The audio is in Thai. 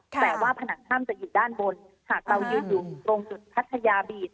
แต่ว่าผนังถ้ำจะอยู่ด้านบนหากเรายืนอยู่ตรงจุดพัทยาบีด